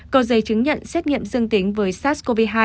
có giấy chứng nhận xét nghiệm dương tính với sars cov hai